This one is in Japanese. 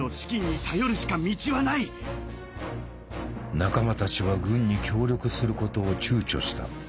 仲間たちは軍に協力することを躊躇した。